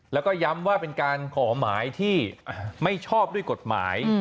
แล้วก็ย้ำว่าเป็นการขอหมายที่ไม่ชอบด้วยกฎหมาย